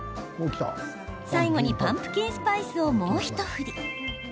最後にパンプキンスパイスをもうひと振り。